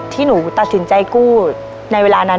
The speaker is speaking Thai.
ที่หนูตัดสินใจกู้ในเวลานั้น